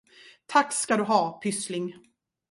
Tack ska du ha, pyssling!